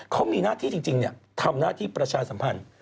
เขามีหน้าที่จริงทำหน้าที่ประชาสัมพันธ์